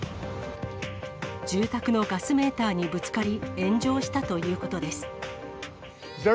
住宅のガスメーターにぶつかり炎上したということです。